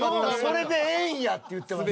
それでええんや」って言ってます。